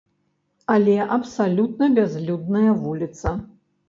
Але абсалютна бязлюдная вуліца.